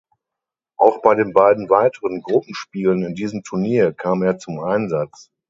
Auch bei den beiden weiteren Gruppenspielen in diesem Turnier kam er zum Einsatz.